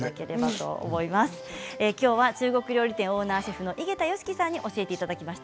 中国料理店オーナーシェフの井桁良樹さんに教えていただきました。